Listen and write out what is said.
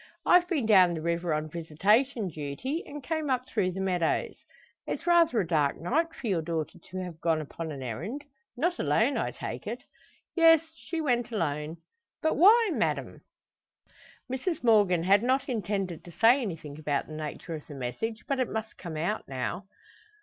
I've been down the river on visitation duty, and came up through the meadows. It's rather a dark night for your daughter to have gone upon an errand! Not alone, I take it?" "Yes; she went alone." "But why, madame?" Mrs Morgan had not intended to say anything about the nature of the message, but it must come out now.